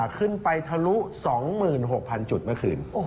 ขึ้นไปทะลุ๒๖๐๐๐จุดเมื่อคืน